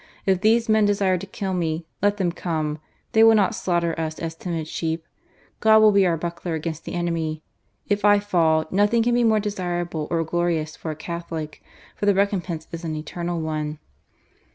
If these men desire to kill me, let them come; they will not slaughter us as timid sheep. ... God will be our buckler against the enemy. ... If I fall, nothing can be more desirable or glorious for a Catholic ; for the recom pense is an eternal one."